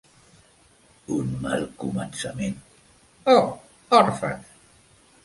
Un mal començament: o, Orfes!